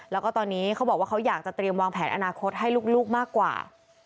แล้วก็ตอนนี้เขาบอกว่าเขาอยากจะเตรียมวางแผนอนาคตให้ลูกมากกว่า